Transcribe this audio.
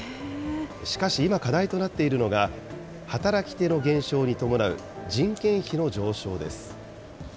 しかし今、課題となっているのが、働き手の減少に伴う人件費の上昇です。